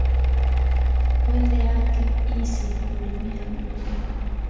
Honde ake isi hulimia buru.